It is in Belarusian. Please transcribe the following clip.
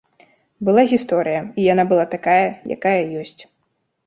Была гісторыя, і яна была такая, якая ёсць.